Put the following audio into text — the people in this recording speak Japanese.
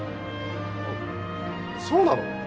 あっそうなの？